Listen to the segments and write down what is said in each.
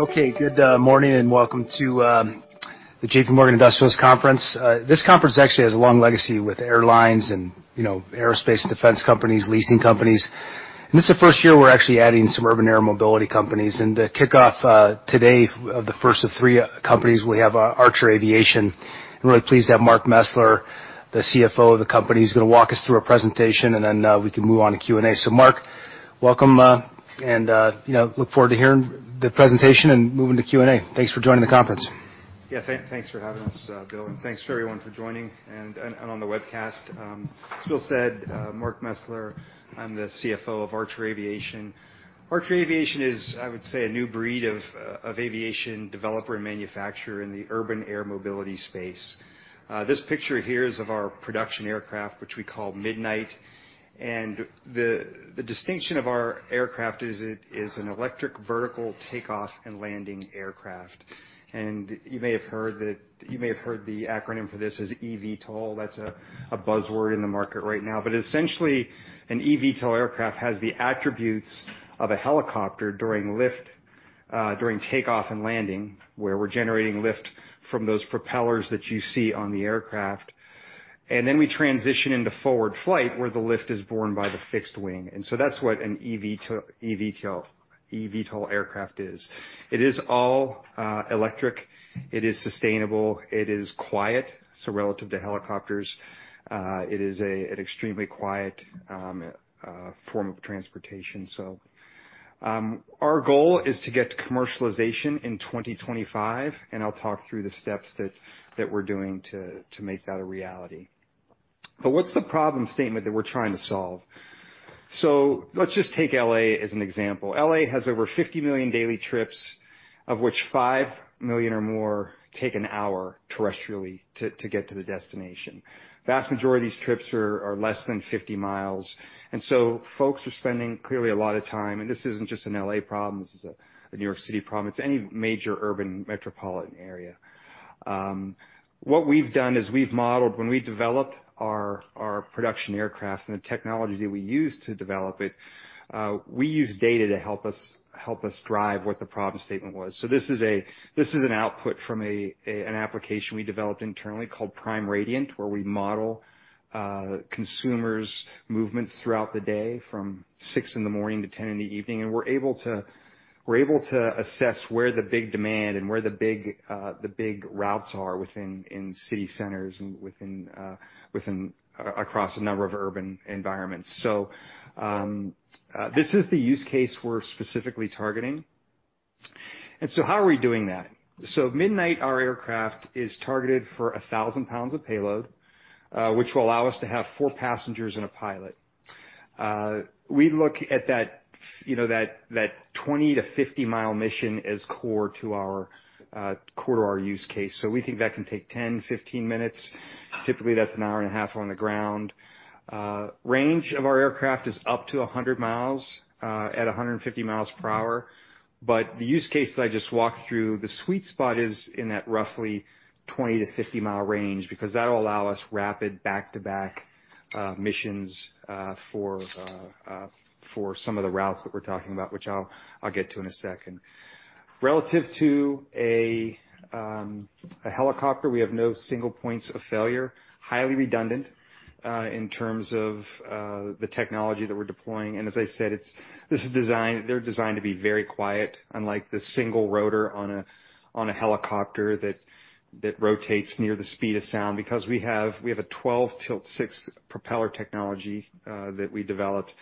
Okay. Good morning and welcome to the JPMorgan Industrials Conference. This conference actually has a long legacy with airlines and, you know, aerospace defense companies, leasing companies. This is the first year we're actually adding some urban air mobility companies. To kick off today, the first of three companies, we have Archer Aviation. I'm really pleased to have Mark Mesler, the CFO of the company. He's gonna walk us through a presentation, and then we can move on to Q&A. Mark, welcome, you know, look forward to hearing the presentation and moving to Q&A. Thanks for joining the conference. Yeah. Thanks for having us, Bill, thanks for everyone for joining and on the webcast. As Bill said, Mark Mesler, I'm the CFO of Archer Aviation. Archer Aviation is, I would say, a new breed of aviation developer and manufacturer in the urban air mobility space. This picture here is of our production aircraft, which we call Midnight. The distinction of our aircraft is it is an electric vertical takeoff and landing aircraft. You may have heard the acronym for this is eVTOL. That's a buzzword in the market right now. Essentially, an eVTOL aircraft has the attributes of a helicopter during lift, during takeoff and landing, where we're generating lift from those propellers that you see on the aircraft. We transition into forward flight, where the lift is borne by the fixed wing. That's what an eVTOL aircraft is. It is all electric. It is sustainable. It is quiet. Relative to helicopters, it is an extremely quiet form of transportation. Our goal is to get to commercialization in 2025, and I'll talk through the steps that we're doing to make that a reality. What's the problem statement that we're trying to solve? Let's just take L.A. as an example. L.A. has over 50 million daily trips, of which 5 million or more take an hour terrestrially to get to the destination. Vast majority of these trips are less than 50 mi. Folks are spending clearly a lot of time, and this isn't just an L.A. problem, this is a New York City problem. It's any major urban metropolitan area. What we've done is we've modeled when we develop our production aircraft and the technology that we use to develop it, we use data to help us drive what the problem statement was. This is an output from an application we developed internally called Prime Radiant, where we model consumers' movements throughout the day from 6:00 A.M. to 10:00 P.M. We're able to assess where the big demand, and where the big routes are within city centers, and across a number of urban environments. This is the use case we're specifically targeting. How are we doing that? Midnight, our aircraft, is targeted for 1,000 lbs of payload, which will allow us to have four passengers and a pilot. We look at that, you know, 20-50 mi mission as core to our core to our use case. We think that can take 10-15 minutes. Typically, that's an hour and a half on the ground. Range of our aircraft is up to 100 mi, at 150 mi per hour. The use case that I just walked through, the sweet spot is in that roughly 20-50 mi range because that'll allow us rapid back-to-back missions for some of the routes that we're talking about, which I'll get to in a second. Relative to a helicopter, we have no single points of failure. Highly redundant in terms of the technology that we're deploying. As I said, they're designed to be very quiet, unlike the single rotor on a helicopter that rotates near the speed of sound. We have a 12-tilt-6 propeller technology that we developed.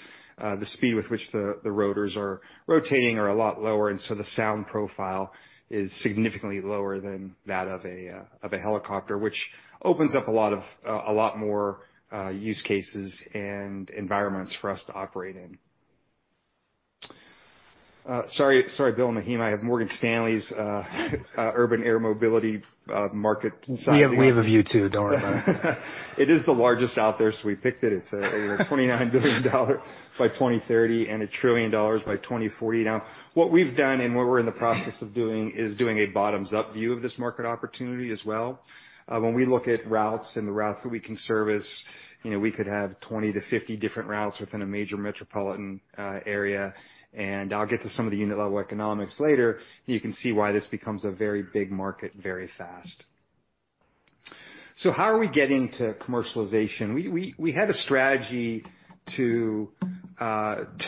The speed with which the rotors are rotating are a lot lower, so the sound profile is significantly lower than that of a helicopter, which opens up a lot of a lot more use cases and environments for us to operate in. Sorry, sorry, Bill and Mahima. I have Morgan Stanley's urban air mobility market sizing. We have a view too. Don't worry about it. It is the largest out there, so we picked it. It's, you know, $29 billion by 2030 and $1 trillion by 2040. What we've done and what we're in the process of doing is doing a bottoms-up view of this market opportunity as well. When we look at routes and the routes that we can service, you know, we could have 20 to 50 different routes within a major metropolitan area. I'll get to some of the unit-level economics later, and you can see why this becomes a very big market very fast. How are we getting to commercialization? We had a strategy to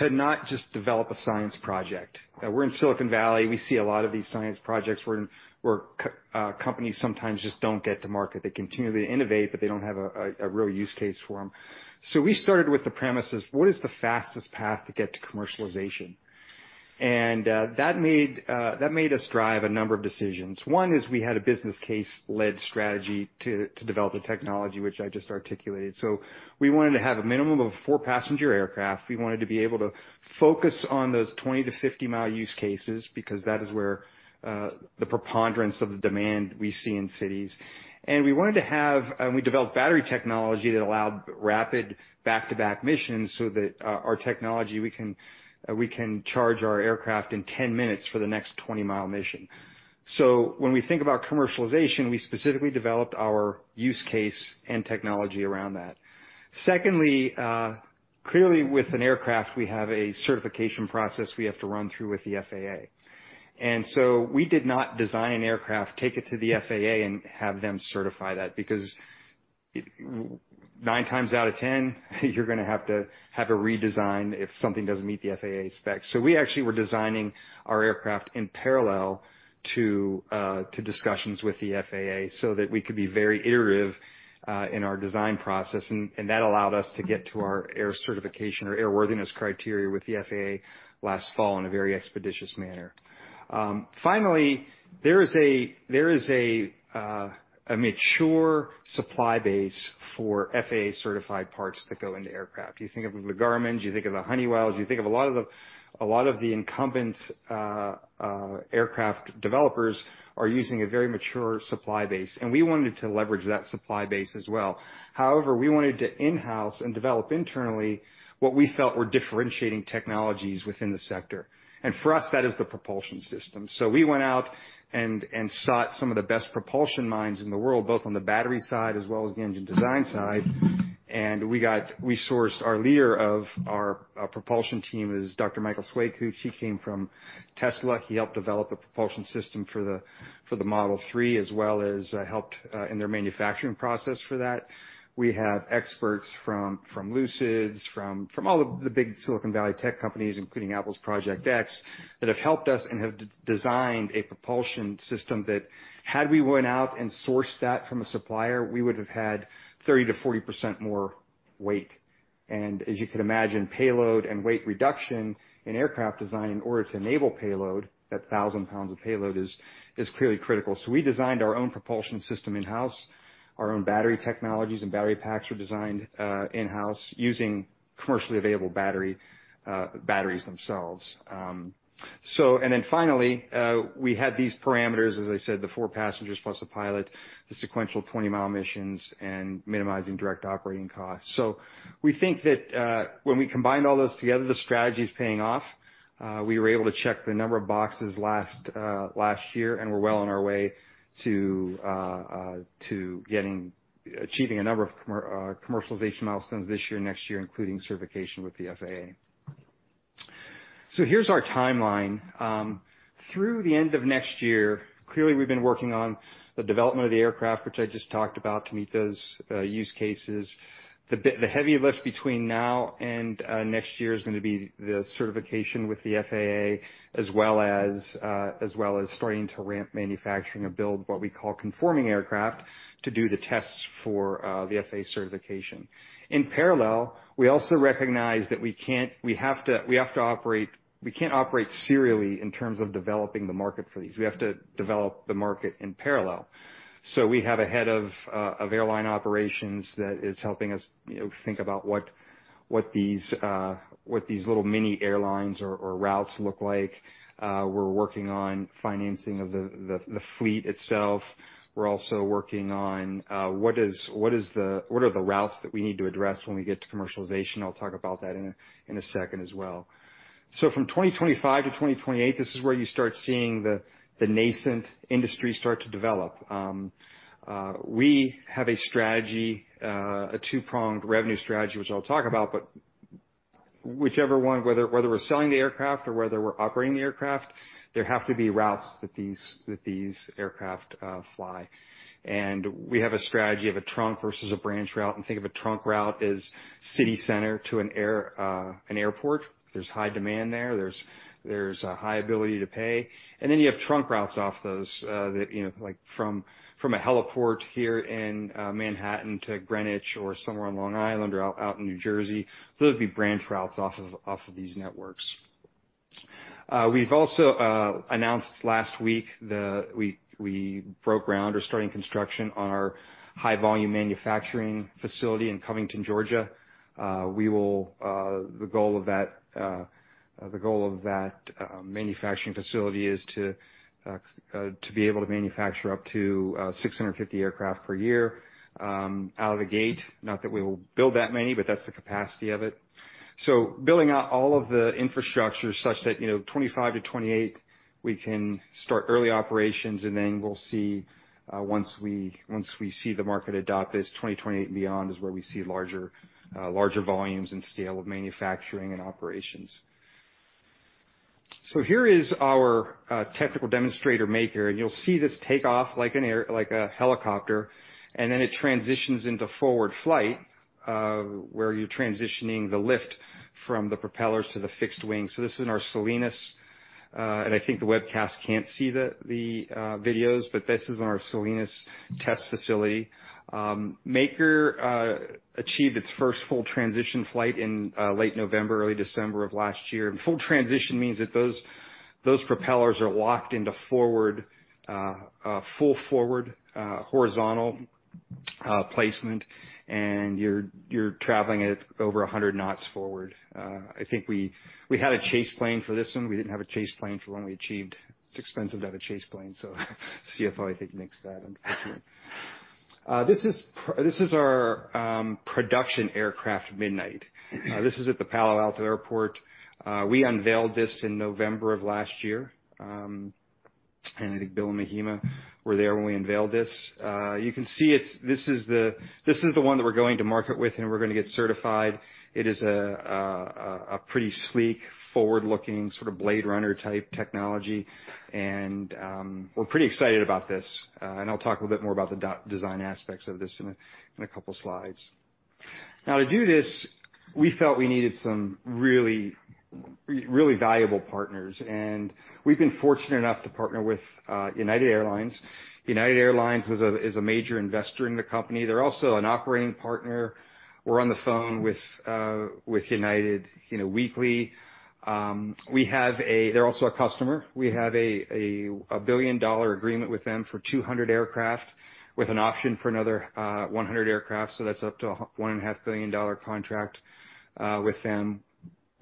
not just develop a science project. We're in Silicon Valley. We see a lot of these science projects where companies sometimes just don't get to market. They continue to innovate, but they don't have a real use case for them. We started with the premises, what is the fastest path to get to commercialization? That made us drive a number of decisions. One is we had a business case led strategy to develop a technology, which I just articulated. We wanted to have a minimum of four passenger aircraft. We wanted to be able to focus on those 20-50 mi use cases because that is where the preponderance of the demand we see in cities. We wanted to have and we developed battery technology that allowed rapid back-to-back missions so that our technology, we can charge our aircraft in 10 minutes for the next 20 mi mission. When we think about commercialization, we specifically developed our use case and technology around that. Secondly, clearly, with an aircraft, we have a certification process we have to run through with the FAA. We did not design an aircraft, take it to the FAA, and have them certify that because 9x out of 10, you're gonna have to have a redesign if something doesn't meet the FAA specs. We actually were designing our aircraft in parallel to discussions with the FAA so that we could be very iterative in our design process. That allowed us to get to our air certification or airworthiness criteria with the FAA last fall in a very expeditious manner. Finally, there is a mature supply base for FAA-certified parts that go into aircraft. You think of the Garmins, you think of the Honeywells, you think of a lot of the, a lot of the incumbent aircraft developers are using a very mature supply base, and we wanted to leverage that supply base as well. However, we wanted to in-house and develop internally what we felt were differentiating technologies within the sector. For us, that is the propulsion system. We went out and sought some of the best propulsion minds in the world, both on the battery side as well as the engine design side. We sourced our leader of our propulsion team is Dr. Michael Schwekutsch, who, he came from Tesla. He helped develop a propulsion system for the, for the Model 3, as well as helped in their manufacturing process for that. We have experts from Lucid, from all of the big Silicon Valley tech companies, including Apple's Project X, that have helped us and have designed a propulsion system that had we went out and sourced that from a supplier, we would have had 30%-40% more weight. As you can imagine, payload and weight reduction in aircraft design in order to enable payload, that 1,000 lbs of payload is clearly critical. We designed our own propulsion system in-house. Our own battery technologies and battery packs were designed in-house using commercially available battery batteries themselves. Finally, we had these parameters, as I said, the four passengers plus a pilot, the sequential 20 mi missions, and minimizing direct operating costs. We think that when we combined all those together, the strategy is paying off. We were able to check the number of boxes last year, we're well on our way to achieving a number of commercialization milestones this year, next year, including certification with the FAA. Here's our timeline. Through the end of next year, clearly, we've been working on the development of the aircraft, which I just talked about, to meet those use cases. The heavy lift between now and next year is gonna be the certification with the FAA, as well as starting to ramp manufacturing, and build what we call conforming aircraft to do the tests for the FAA certification. In parallel, we also recognize that we can't operate serially in terms of developing the market for these. We have to develop the market in parallel. We have a head of airline operations that is helping us, you know, think about what these, what these little mini airlines or routes look like. We're working on financing of the fleet itself. We're also working on what are the routes that we need to address when we get to commercialization. I'll talk about that in a second as well. From 2025 to 2028, this is where you start seeing the nascent industry start to develop. We have a strategy, a two-pronged revenue strategy, which I'll talk about, but whichever one, whether we're selling the aircraft or whether we're operating the aircraft, there have to be routes that these aircraft fly. We have a strategy of a trunk versus a branch route, and think of a trunk route as city center to an airport. There's high demand there's a high ability to pay. You have trunk routes off those that, you know, like from a heliport here in Manhattan to Greenwich or somewhere on Long Island or out in New Jersey. Those would be branch routes off of these networks. We've also announced last week we broke ground. We're starting construction on our high-volume manufacturing facility in Covington, Georgia. We will the goal of that the goal of that manufacturing facility is to be able to manufacture up to 650 aircraft per year out of the gate. Not that we will build that many, but that's the capacity of it. Building out all of the infrastructure such that, you know, 2025-2028, we can start early operations, and then we'll see, once we, once we see the market adopt this, 2028 and beyond is where we see larger volumes and scale of manufacturing and operations. Here is our technical demonstrator Maker, and you'll see this take off like a helicopter, and then it transitions into forward flight, where you're transitioning the lift from the propellers to the fixed wing. This is in our Salinas, and I think the webcast can't see the videos, but this is in our Salinas test facility. Maker achieved its first full transition flight in late November, early December of last year. Full transition means that those propellers are locked into forward, full forward, horizontal placement, and you're traveling at over 100 knots forward. I think we had a chase plane for this one. We didn't have a chase plane for when we achieved... It's expensive to have a chase plane, so CFO, I think, nixed that unfortunately. This is our production aircraft, Midnight. This is at the Palo Alto Airport. We unveiled this in November of last year. I think Bill and Mahima were there when we unveiled this. You can see this is the one that we're going to market with and we're gonna get certified. It is a pretty sleek, forward-looking sort of Blade Runner type technology. We're pretty excited about this. I'll talk a little bit more about the design aspects of this in a couple slides. To do this, we felt we needed some really valuable partners, and we've been fortunate enough to partner with United Airlines. United Airlines is a major investor in the company. They're also an operating partner. We're on the phone with United, you know, weekly. They're also a customer. We have a billion-dollar agreement with them for 200 aircraft with an option for another 100 aircraft. That's up to a $1.5 billion contract with them.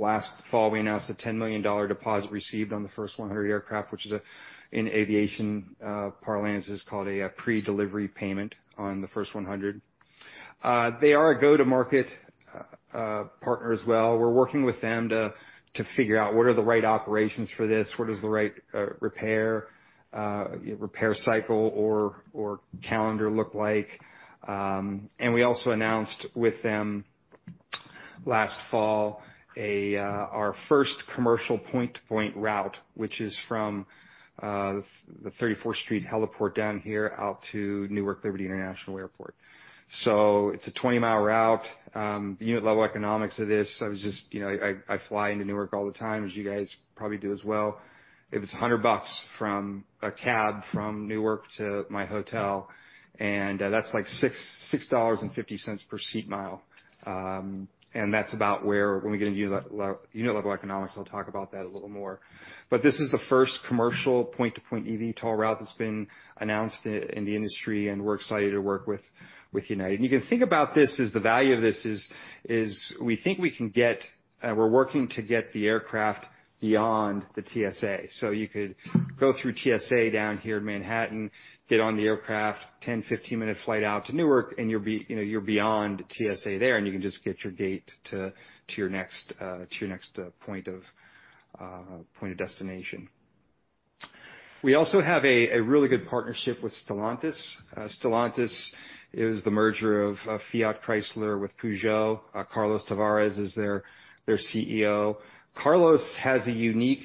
Last fall, we announced a $10 million deposit received on the first 100 aircraft, which is, in aviation parlance, called a predelivery payment on the first 100. They are a go-to-market partner as well. We're working with them to figure out what are the right operations for this, what is the right repair cycle or calendar look like. We also announced with them last fall our first commercial point-to-point route, which is from the 34th Street Heliport down here out to Newark Liberty International Airport. It's a 20 mi route. The unit level economics of this, I was just you know, I fly into Newark all the time, as you guys probably do as well. It was $100 from a cab from Newark to my hotel, and that's like $6.50 per seat mile. That's about where when we get into unit level economics, I'll talk about that a little more. This is the first commercial point-to-point eVTOL route that's been announced in the industry, and we're excited to work with United. You can think about this as the value of this is we think we can get, we're working to get the aircraft beyond the TSA. You could go through TSA down here in Manhattan, get on the aircraft, 10, 15-minute flight out to Newark, and you'll be, you know, you're beyond TSA there, and you can just get your gate to your next to your next point of point of destination. We also have a really good partnership with Stellantis. Stellantis is the merger of Fiat Chrysler with Peugeot. Carlos Tavares is their CEO. Carlos has a unique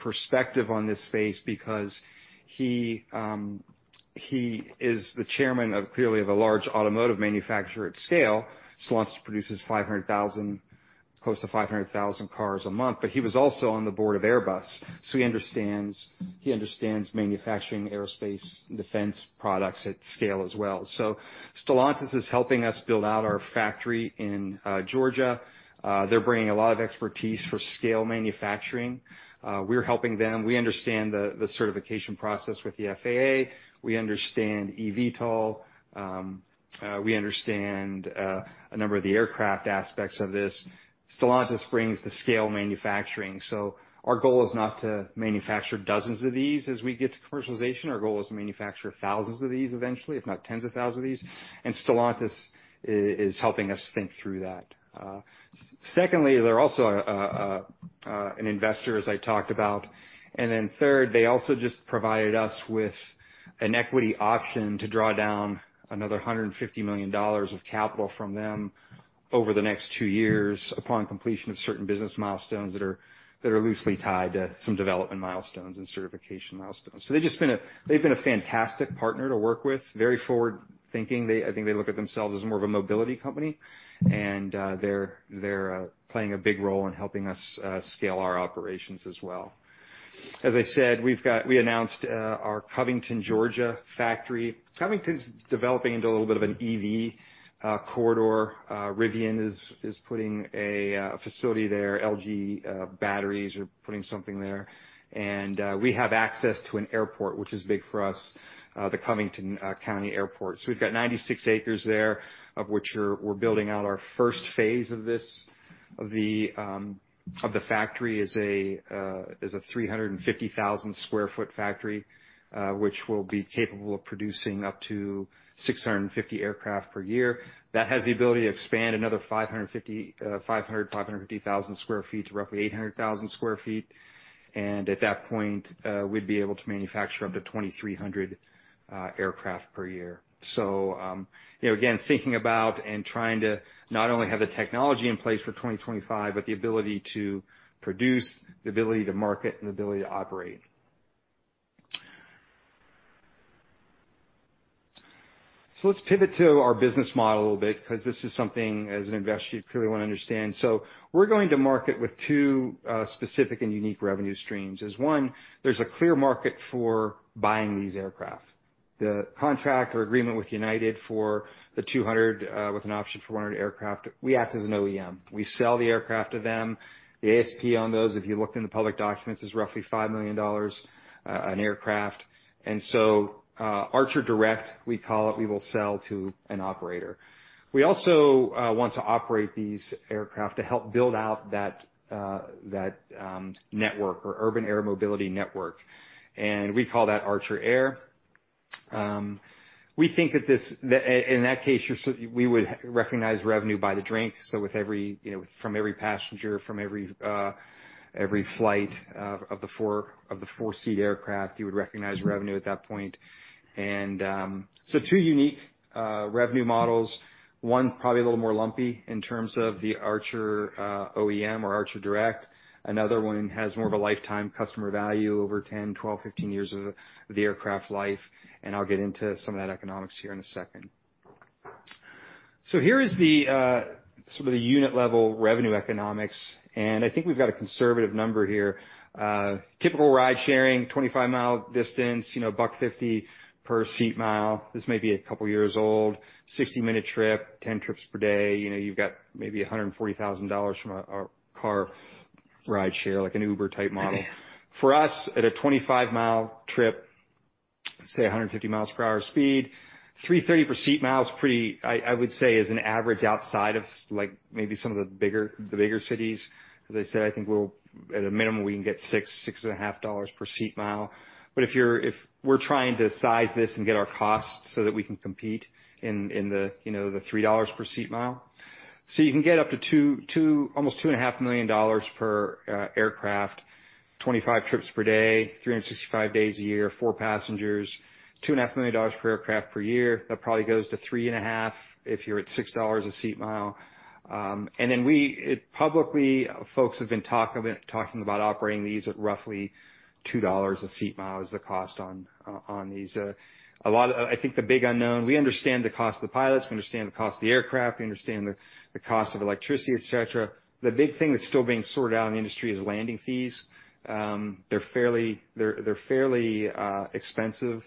perspective on this space because he is the chairman of clearly of a large automotive manufacturer at scale. Stellantis produces 500,000, close to 500,000 cars a month. He was also on the board of Airbus, he understands manufacturing aerospace defense products at scale as well. Stellantis is helping us build out our factory in Georgia. They're bringing a lot of expertise for scale manufacturing. We're helping them. We understand the certification process with the FAA. We understand eVTOL. We understand a number of the aircraft aspects of this. Stellantis brings the scale manufacturing. Our goal is not to manufacture dozens of these as we get to commercialization. Our goal is to manufacture thousands of these eventually, if not tens of thousands of these. Stellantis is helping us think through that. Secondly, they're also an investor, as I talked about. Third, they also just provided us with an equity option to draw down another $150 million of capital from them over the next two years upon completion of certain business milestones that are loosely tied to some development milestones and certification milestones. They've just been a fantastic partner to work with, very forward-thinking. I think they look at themselves as more of a mobility company. They're playing a big role in helping us scale our operations as well. As I said, we announced our Covington, Georgia factory. Covington's developing into a little bit of an EV corridor. Rivian is putting a facility there. LG Batteries are putting something there. We have access to an airport, which is big for us, the Covington Municipal Airport. We've got 96 acres there, of which we're building out our first phase of this. The factory is a 350,000 sq ft factory, which will be capable of producing up to 650 aircraft per year. That has the ability to expand another 550,000 sq ft to roughly 800,000 sq ft. At that point, we'd be able to manufacture up to 2,300 aircraft per year. You know, again, thinking about and trying to not only have the technology in place for 2025, but the ability to produce, the ability to market, and the ability to operate. Let's pivot to our business model a little bit because this is something, as an investor, you clearly wanna understand. We're going to market with two specific and unique revenue streams, is one, there's a clear market for buying these aircraft. The contract or agreement with United for the 200, with an option for 100 aircraft, we act as an OEM. We sell the aircraft to them. The ASP on those, if you look in the public documents, is roughly $5 million on aircraft. Archer Direct, we call it, we will sell to an operator. We also want to operate these aircraft to help build out that network or Urban Air Mobility network, and we call that Archer Air. We think that in that case, we would recognize revenue by the drink. With every, you know, from every passenger, from every flight of the 4-seat aircraft, you would recognize revenue at that point. Two unique revenue models. One probably a little more lumpy in terms of the Archer OEM or Archer Direct. Another one has more of a lifetime customer value over 10, 12, 15 years of the aircraft life, and I'll get into some of that economics here in a second. Here is some of the unit level revenue economics, and I think we've got a conservative number here. Typical ride-sharing, 25 mi distance, you know, $1.50 per seat mile. This may be a couple years old, 60-minute trip, 10 trips per day. You know, you've got maybe $140,000 from a car ride share, like an Uber type model. For us, at a 25 mi trip, say 150 mi per hour speed, $3.30 per seat mile is pretty. I would say is an average outside of like maybe some of the bigger, the bigger cities. As I said, I think at a minimum, we can get $6, $6.50 per seat mile. If we're trying to size this and get our costs so that we can compete in the, you know, the $3 per seat mile. You can get up to almost $2.5 million per aircraft, 25 trips per day, 365 days a year, fourr passengers, $2.5 million per aircraft per year. That probably goes to three and a half if you're at $6 a seat mile. We, it publicly, folks have been talking about operating these at roughly $2 a seat mile is the cost on these. I think the big unknown, we understand the cost of the pilots, we understand the cost of the aircraft, we understand the cost of electricity, et cetera. The big thing that's still being sorted out in the industry is landing fees. They're fairly expensive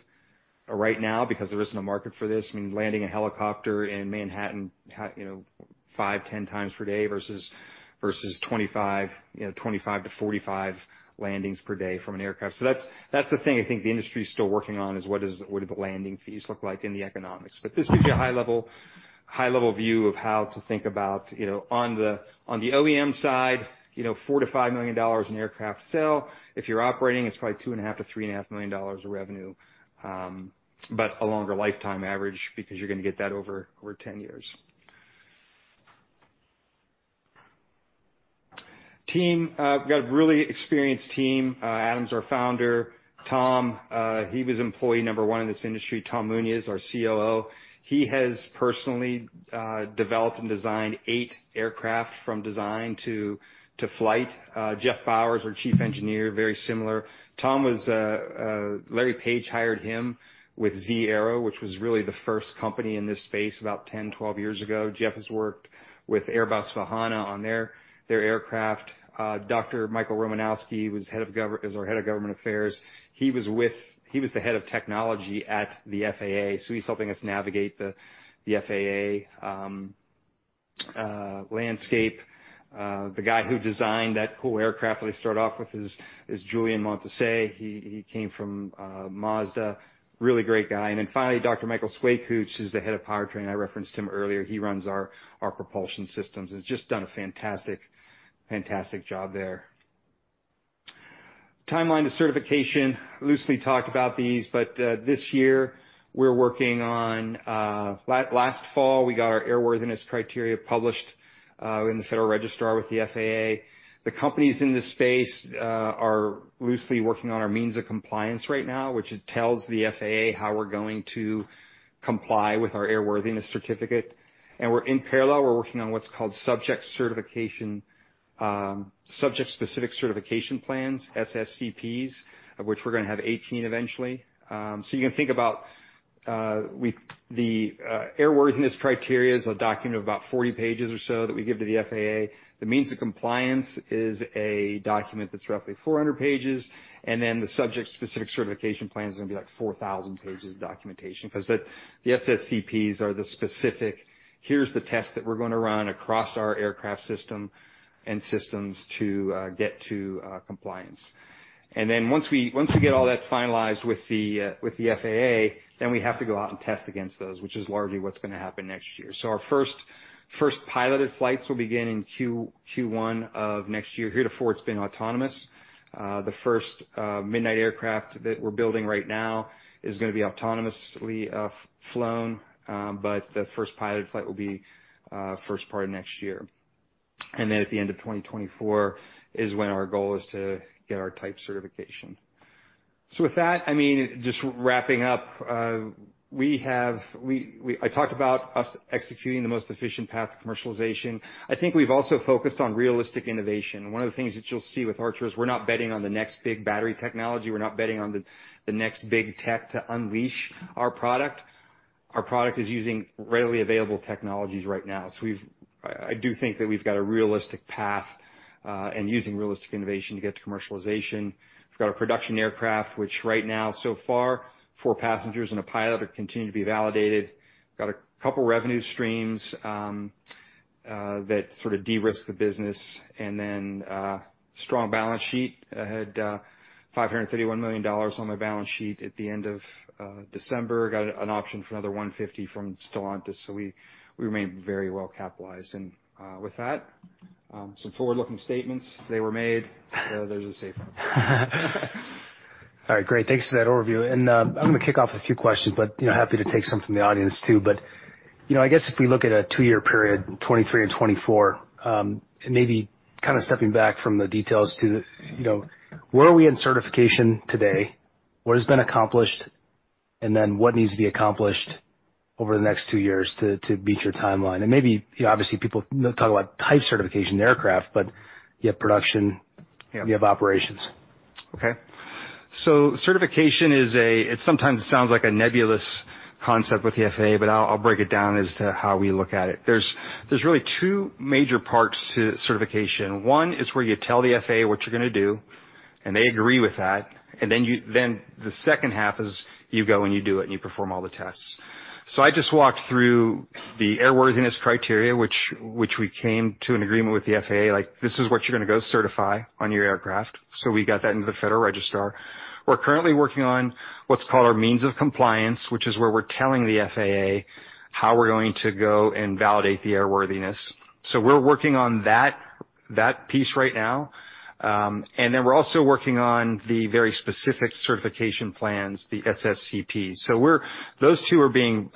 right now because there isn't a market for this. I mean, landing a helicopter in Manhattan, you know, five, 10x per day versus 25, you know, 25-45 landings per day from an aircraft. That's the thing I think the industry is still working on, is what do the landing fees look like in the economics. This gives you a high level view of how to think about, you know, on the OEM side, you know, $4 million-$5 million in aircraft sale. If you're operating, it's probably $2.5 million-$3.5 million of revenue, but a longer lifetime average because you're gonna get that over 10 years. Team, we've got a really experienced team. Adam's our founder. Tom, he was employee number one in this industry. Tom Muniz, our COO. He has personally developed and designed eight aircraft from design to flight. Geoff Bower, our chief engineer, very similar. Tom was Larry Page hired him with Zee.Aero, which was really the first company in this space about 10-12 years ago. Geoff has worked with Airbus Vahana on their aircraft. Dr. Michael Romanowski, who's our head of government affairs. He was the head of technology at the FAA, so he's helping us navigate the FAA landscape. The guy who designed that cool aircraft that I started off with is Julien Montousse. He came from Mazda. Really great guy. Finally, Dr. Michael Schwekutsch, who's the head of powertrain. I referenced him earlier. He runs our propulsion systems, has just done a fantastic job there. Timeline to certification. Loosely talked about these, but this year we're working on. Last fall, we got our airworthiness criteria published in the Federal Register with the FAA. The companies in this space are loosely working on our means of compliance right now, which it tells the FAA how we're going to comply with our airworthiness certificate. We're in parallel, we're working on what's called subject certification, subject-specific certification plans, SSCPs, of which we're gonna have 18 eventually. You can think about the airworthiness criteria is a document of about 40 pages or so that we give to the FAA. The means of compliance is a document that's roughly 400 pages, and then the subject-specific certification plan is gonna be like 4,000 pages of documentation because the SSCPs are the specific, "Here's the test that we're gonna run across our aircraft system and systems to get to compliance." Once we get all that finalized with the FAA, then we have to go out and test against those, which is largely what's gonna happen next year. Our first piloted flights will begin in Q1 of next year. Heretofore, it's been autonomous. The first Midnight aircraft that we're building right now is gonna be autonomously flown, but the first piloted flight will be first part of next year. At the end of 2024 is when our goal is to get our type certification. With that, I mean, just wrapping up, I talked about us executing the most efficient path to commercialization. I think we've also focused on realistic innovation. One of the things that you'll see with Archer is we're not betting on the next big battery technology. We're not betting on the next big tech to unleash our product. Our product is using readily available technologies right now. I do think that we've got a realistic path in using realistic innovation to get to commercialization. We've got a production aircraft, which right now so far, four passengers and a pilot have continued to be validated. Got a couple revenue streams that sort of de-risk the business, strong balance sheet. I had $531 million on my balance sheet at the end of December. Got an option for another $150 from Stellantis, we remain very well capitalized. With that some forward-looking statements, they were made, those are safe. All right, great. Thanks for that overview. I'm gonna kick off a few questions, but, you know, happy to take some from the audience too, but, you know, I guess if we look at a two-year period, 2023 and 2024, and maybe kind of stepping back from the details to, you know, where are we in certification today? What has been accomplished? What needs to be accomplished over the next two years to beat your timeline? Maybe, you know, obviously people talk about type certification aircraft, but you have production. Yeah. You have operations. Okay. Certification is sometimes sounds like a nebulous concept with the FAA, but I'll break it down as to how we look at it. There's really two major parts to certification. One is where you tell the FAA what you're gonna do, and they agree with that. Then the second half is you go and you do it, and you perform all the tests. I just walked through the airworthiness criteria, which we came to an agreement with the FAA, like, "This is what you're gonna go certify on your aircraft." We got that into the Federal Register. We're currently working on what's called our means of compliance, which is where we're telling the FAA how we're going to go and validate the airworthiness. We're working on that piece right now, and then we're also working on the very specific certification plans, the SSCP. Those two are being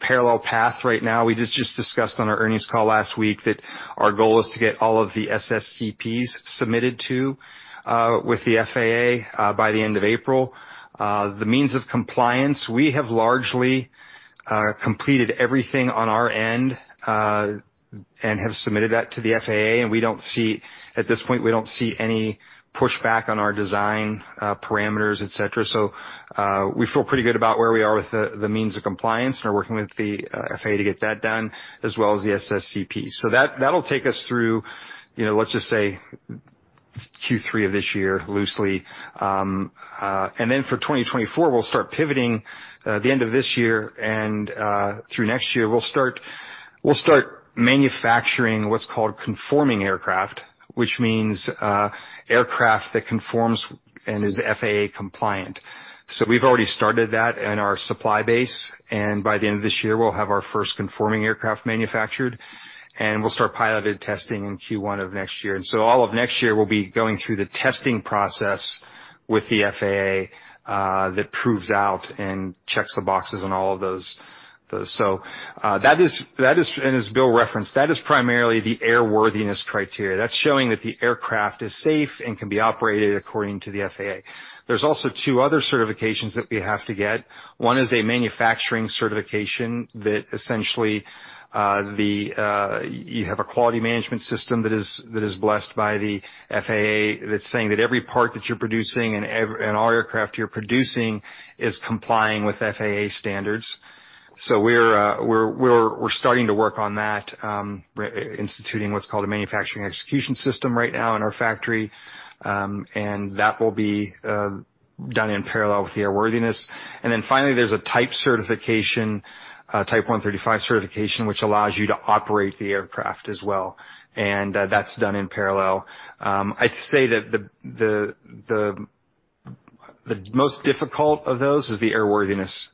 parallel path right now. We just discussed on our earnings call last week that our goal is to get all of the SSCPs submitted with the FAA by the end of April. The means of compliance, we have largely completed everything on our end, and have submitted that to the FAA, and at this point, we don't see any pushback on our design parameters, et cetera. We feel pretty good about where we are with the means of compliance. We're working with the FAA to get that done, as well as the SSCP. That'll take us through, you know, let's just say, Q3 of this year, loosely. For 2024, we'll start pivoting the end of this year, and through next year, we'll start manufacturing what's called conforming aircraft, which means aircraft that conforms and is FAA compliant. We've already started that in our supply base, and by the end of this year, we'll have our first conforming aircraft manufactured, and we'll start piloted testing in Q1 of next year. All of next year, we'll be going through the testing process with the FAA that proves out and checks the boxes on all of those. That is, and as Bill referenced, that is primarily the airworthiness criteria. That's showing that the aircraft is safe and can be operated according to the FAA. There's also two other certifications that we have to get. One is a manufacturing certification that essentially you have a quality management system that is, that is blessed by the FAA, that's saying that every part that you're producing and all aircraft you're producing is complying with FAA standards. We're starting to work on that, instituting what's called a manufacturing execution system right now in our factory, and that will be done in parallel with the airworthiness. Finally, there's a type certification, Part 135 certification, which allows you to operate the aircraft as well, and that's done in parallel. I'd say that the most difficult of those is the airworthiness certification.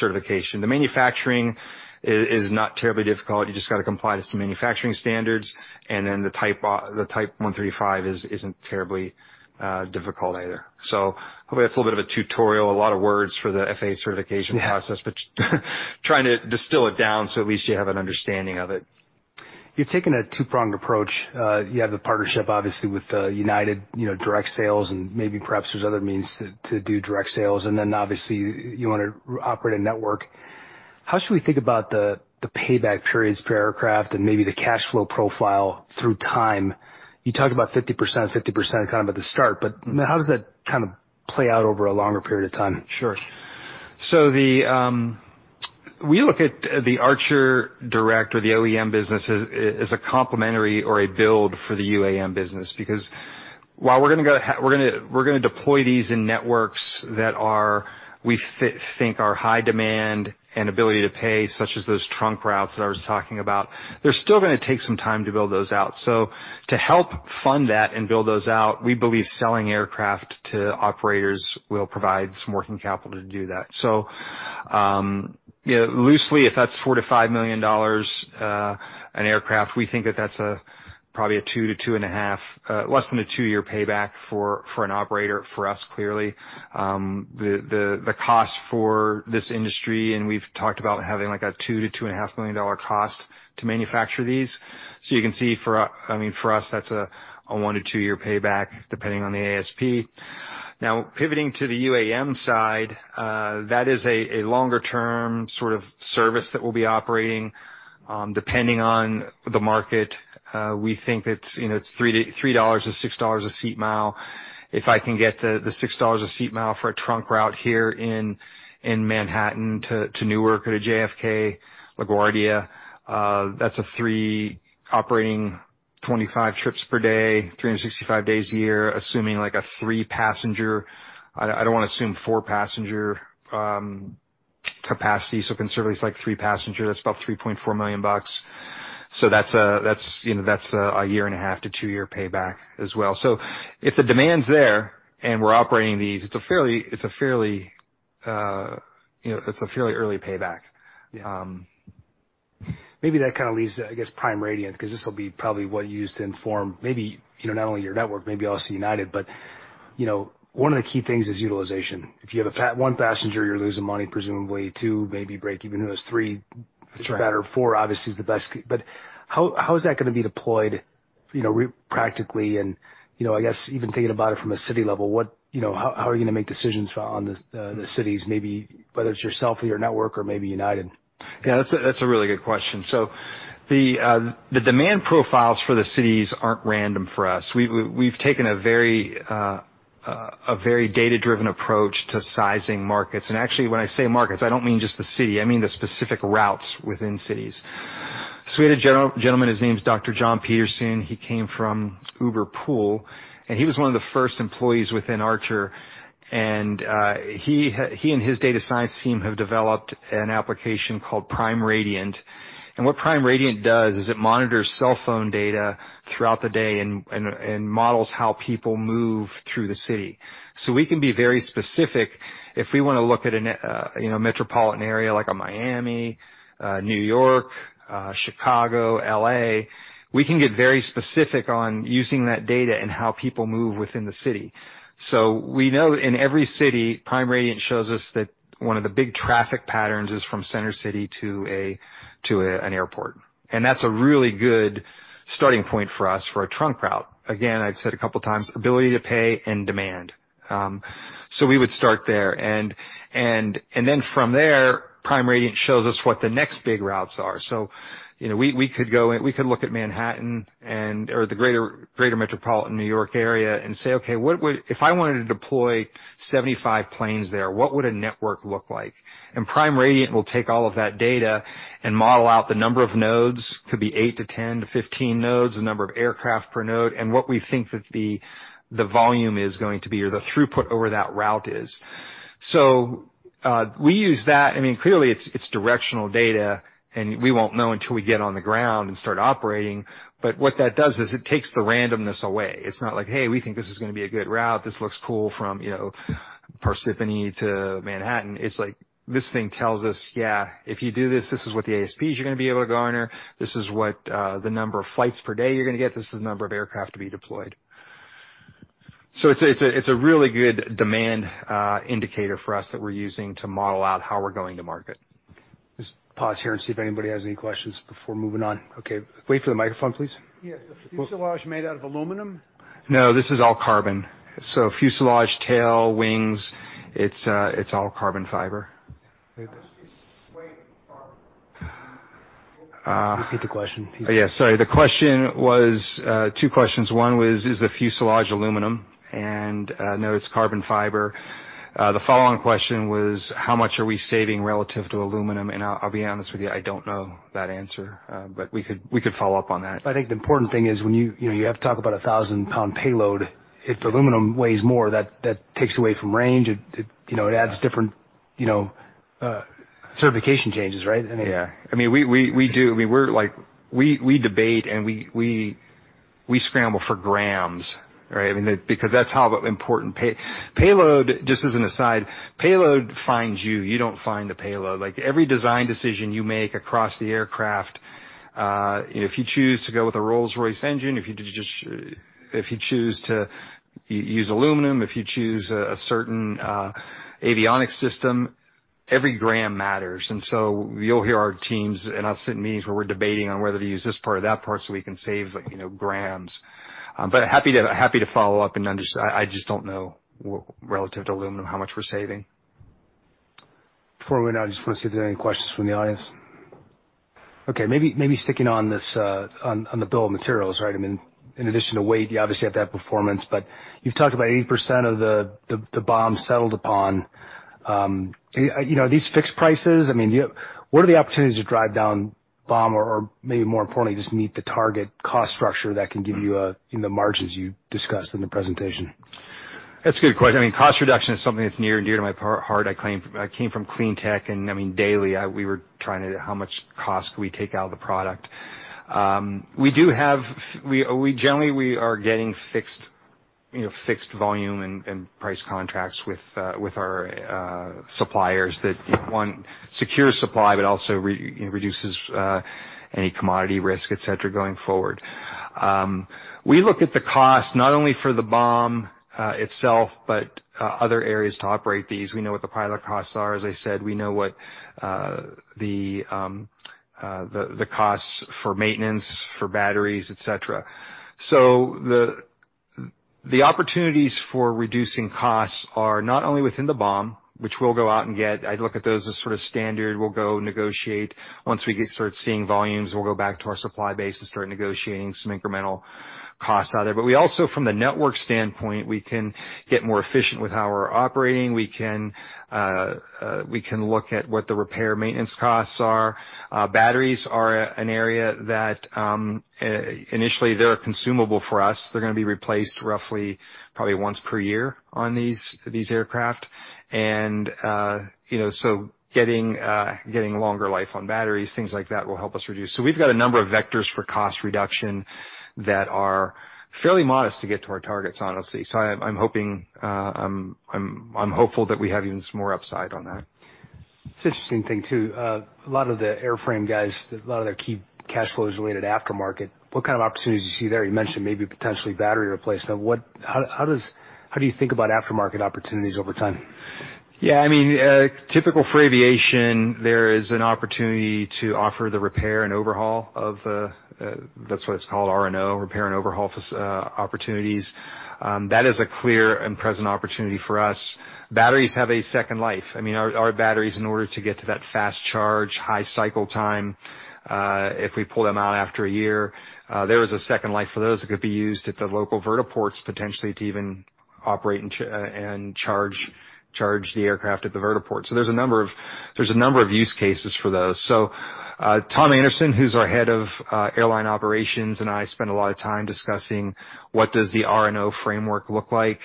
The manufacturing is not terribly difficult. You just gotta comply to some manufacturing standards, and then the Part 135 is, isn't terribly difficult either. Hopefully that's a little bit of a tutorial, a lot of words for the FAA certification process. Yeah. Trying to distill it down so at least you have an understanding of it. You've taken a two-pronged approach. You have the partnership, obviously, with United, you know, direct sales, and maybe perhaps there's other means to do direct sales. Obviously you wanna operate a network. How should we think about the payback periods per aircraft and maybe the cash flow profile through time? You talked about 50%, 50% kind of at the start, but how does that kind of play out over a longer period of time? Sure. We look at the Archer Direct or the OEM business as a complementary or a build for the UAM business because while we're gonna deploy these in networks that are, we think are high demand and ability to pay, such as those trunk routes that I was talking about, they're still gonna take some time to build those out. To help fund that and build those out, we believe selling aircraft to operators will provide some working capital to do that. You know, loosely, if that's $4 million-$5 million an aircraft, we think that that's probably a 2-2.5... less than a 2 year payback for an operator for us, clearly. The cost for this industry, and we've talked about having like a $2 million-$2.5 million cost to manufacture these. You can see for, I mean, for us, that's a 1-2 year payback, depending on the ASP. Pivoting to the UAM side, that is a longer-term sort of service that we'll be operating, depending on the market. We think it's, you know, it's $3 or $6 a seat mile. If I can get the $6 a seat mile for a trunk route here in Manhattan to Newark or to JFK, LaGuardia, that's a operating 25 trips per day, 365 days a year, assuming like a three passenger. I don't wanna assume four passenger capacity, conservatively it's like three passenger, that's about $3.4 million. That's, you know, that's a year and a half to 2 year payback as well. If the demand's there and we're operating these, it's a fairly, you know, it's a fairly early payback. Yeah. Maybe that kind of leads to, I guess, Prime Radiant, because this will be probably what you use to inform maybe, you know, not only your network, maybe also United, but, you know, one of the key things is utilization. If you have one passenger, you're losing money, presumably two, maybe break even, who knows, three. That's right. It's better. Four obviously is the best. How is that gonna be deployed, you know, practically and, you know, I guess even thinking about it from a city level, how are you gonna make decisions on this, the cities, maybe whether it's yourself or your network or maybe United? Yeah, that's a really good question. The demand profiles for the cities aren't random for us. We've taken a very data-driven approach to sizing markets. Actually, when I say markets, I don't mean just the city, I mean the specific routes within cities. We had a gentleman, his name's Dr. Jon Petersen, he came from Uber Pool, and he was one of the first employees within Archer. He and his data science team have developed an application called Prime Radiant. What Prime Radiant does is it monitors cell phone data throughout the day and models how people move through the city. We can be very specific if we wanna look at a you know, metropolitan area like a Miami, New York, Chicago, L.A., we can get very specific on using that data and how people move within the city. We know in every city, Prime Radiant shows us that one of the big traffic patterns is from center city to an airport. That's a really good starting point for us for a trunk route. Again, I've said a couple times, ability to pay and demand. We would start there. Then from there, Prime Radiant shows us what the next big routes are. You know, we could go and we could look at Manhattan and/or the greater metropolitan New York area and say, okay, what would... If I wanted to deploy 75 planes there, what would a network look like? Prime Radiant will take all of that data and model out the number of nodes, could be eight to 10 to 15 nodes, the number of aircraft per node, and what we think that the volume is going to be or the throughput over that route is. We use that. I mean, clearly it's directional data, and we won't know until we get on the ground and start operating. What that does is it takes the randomness away. It's not like, hey, we think this is gonna be a good route. This looks cool from, you know, Parsippany to Manhattan. It's like, this thing tells us, yeah, if you do this is what the ASPs you're gonna be able to garner. This is what, the number of flights per day you're gonna get. This is the number of aircraft to be deployed. It's a really good demand, indicator for us that we're using to model out how we're going to market. Just pause here and see if anybody has any questions before moving on. Okay. Wait for the microphone, please. Yes. Is the fuselage made out of aluminum? No, this is all carbon. fuselage, tail, wings, it's all carbon fiber. How much does weight are? Repeat the question. Yeah, sorry. The question was, two questions. One was, is the fuselage aluminum? No, it's carbon fiber. The follow-on question was, how much are we saving relative to aluminum? I'll be honest with you, I don't know that answer, but we could follow up on that. I think the important thing is when you know, you have to talk about a 1,000-lb payload, if aluminum weighs more, that takes away from range. It, you know, it adds different, you know, certification changes, right. Yeah. I mean, we do. I mean, we're like, we debate and we scramble for grams, right? I mean, because that's how important payload, just as an aside, payload finds you don't find a payload. Like, every design decision you make across the aircraft, if you choose to go with a Rolls-Royce engine, if you choose to use aluminum, if you choose a certain avionics system, every gram matters. You'll hear our teams in our sit-in meetings where we're debating on whether to use this part or that part so we can save, you know, grams. Happy to follow up and I just don't know relative to aluminum how much we're saving. Before we went out, I just want to see if there are any questions from the audience. Okay, maybe sticking on this, on the bill of materials, right? I mean, in addition to weight, you obviously have to have performance, but you've talked about 80% of the BOM settled upon. You know, are these fixed prices? I mean, what are the opportunities to drive down BOM or maybe more importantly, just meet the target cost structure that can give you know, the margins you discussed in the presentation? That's a good question. I mean, cost reduction is something that's near and dear to my heart. I came from clean tech. I mean, daily, we were trying to how much cost can we take out of the product. We generally we are getting fixed, you know, fixed volume and price contracts with our suppliers that, one, secure supply, but also you know, reduces any commodity risk, et cetera, going forward. We look at the cost not only for the BOM itself, but other areas to operate these. We know what the pilot costs are, as I said. We know what the costs for maintenance, for batteries, et cetera. The opportunities for reducing costs are not only within the BOM, which we'll go out and get. I'd look at those as sort of standard. We'll go negotiate. Once we get start seeing volumes, we'll go back to our supply base and start negotiating some incremental costs out of there. We also, from the network standpoint, we can get more efficient with how we're operating. We can look at what the repair maintenance costs are. Batteries are an area that initially they're consumable for us. They're gonna be replaced roughly probably once per year on these aircraft. You know, getting longer life on batteries, things like that will help us reduce. We've got a number of vectors for cost reduction that are fairly modest to get to our targets, honestly. I'm hoping, I'm hopeful that we have even some more upside on that. It's an interesting thing too. A lot of the airframe guys, a lot of their key cash flow is related to aftermarket. What kind of opportunities do you see there? You mentioned maybe potentially battery replacement. How do you think about aftermarket opportunities over time? Yeah, I mean, typical for aviation, there is an opportunity to offer the repair and overhaul of, that's what it's called, R&O, repair and overhaul opportunities. That is a clear and present opportunity for us. Batteries have a second life. I mean, our batteries, in order to get to that fast charge, high cycle time, if we pull them out after a year, there is a second life for those that could be used at the local vertiports, potentially to even operate and charge the aircraft at the vertiport. There's a number of use cases for those. Tom Anderson, who's our head of airline operations, and I spend a lot of time discussing what does the R&O framework look like.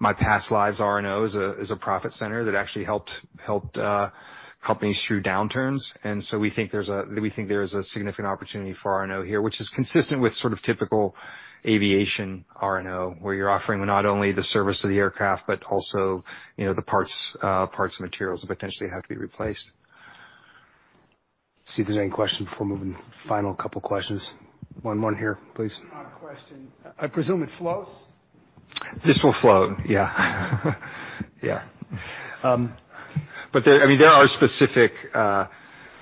My past lives, R&O is a profit center that actually helped companies through downturns. We think there's a significant opportunity for R&O here, which is consistent with sort of typical aviation R&O, where you're offering not only the service of the aircraft, but also, you know, the parts and materials that potentially have to be replaced. See if there's any questions before moving. Final couple questions. One here, please. I have a question. I presume it floats. This will float, yeah. Yeah. I mean,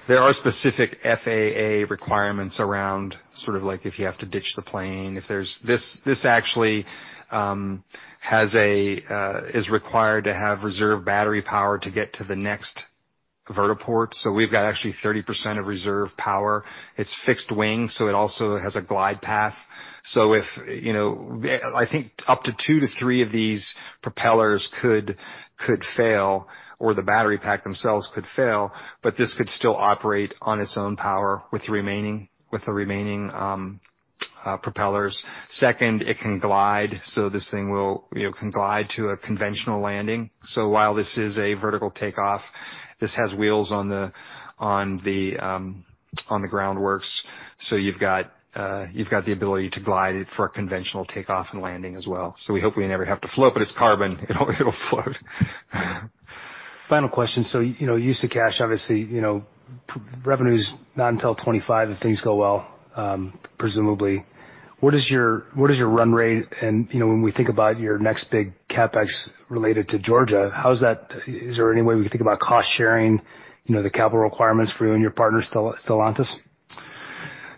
there are specific FAA requirements around sort of like if you have to ditch the plane. This actually is required to have reserve battery power to get to the next vertiport. We've got actually 30% of reserve power. It's fixed wing, it also has a glide path. If, you know, I think up to 2-3 of these propellers could fail or the battery pack themselves could fail, this could still operate on its own power with the remaining propellers. Second, it can glide. This thing will, you know, can glide to a conventional landing. While this is a vertical takeoff, this has wheels on the ground works. You've got the ability to glide it for a conventional takeoff and landing as well. We hope we never have to float, but it's carbon. It'll float. Final question. you know, use of cash, obviously, you know, revenue's not until 2025 if things go well, presumably. What is your run rate? you know, when we think about your next big CapEx related to Georgia, Is there any way we can think about cost-sharing, you know, the capital requirements for you and your partner, Stellantis?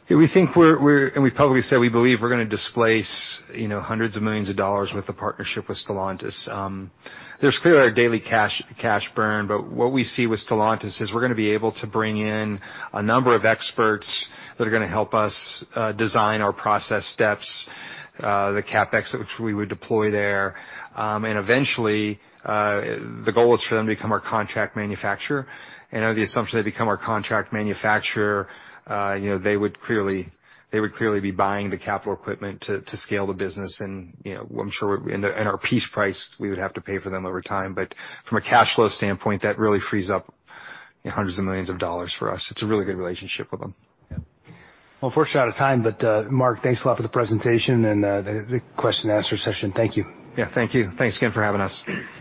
Yeah, we think we're and we've publicly said we believe we're gonna displace, you know, hundreds of millions of dollars with the partnership with Stellantis. There's clearly a daily cash burn, what we see with Stellantis is we're gonna be able to bring in a number of experts that are gonna help us design our process steps, the CapEx which we would deploy there. Eventually, the goal is for them to become our contract manufacturer. Under the assumption they become our contract manufacturer, you know, they would clearly be buying the capital equipment to scale the business and, you know, I'm sure in our piece price, we would have to pay for them over time. From a cash flow standpoint, that really frees up hundreds of millions of dollars for us. It's a really good relationship with them. Unfortunately, out of time, Mark, thanks a lot for the presentation and the question and answer session. Thank you. Yeah, thank you. Thanks again for having us.